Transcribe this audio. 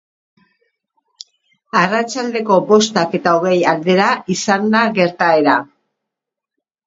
Arratsaldeko bostak eta hogei aldera izan da gertaera.